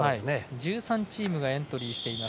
１３チームがエントリーしています。